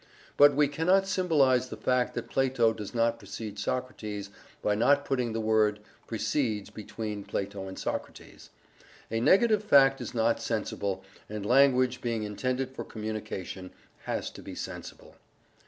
But we cannot symbolize the fact that Plato does not precede Socrates by not putting the word "precedes" between "Plato" and "Socrates." A negative fact is not sensible, and language, being intended for communication, has to be sensible.